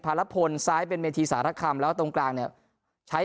ละพลซ้ายเป็นเวทีสารคำแล้วตรงกลางเนี่ยใช้